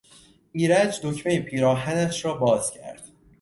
ایرج دکمهی پیراهنش را باز کرد.